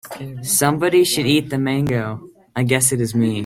Somebody should eat the mango, I guess it is me.